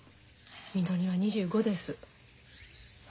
みのりは２５です。